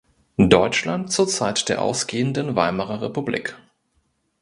Deutschland zur Zeit der ausgehenden Weimarer Republik.